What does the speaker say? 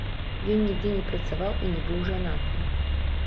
Ён нідзе не працаваў і не быў жанаты.